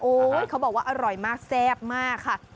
เขาบอกว่าอร่อยมากแซ่บมากค่ะ